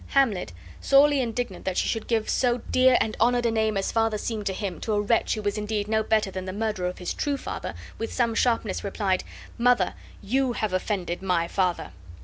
Hamlet, sorely indignant that she should give so dear and honored a name as father seemed to him to a wretch who was indeed no better than the murderer of his true father, with some sharpness replied: "Mother, YOU have much offended MY FATHER."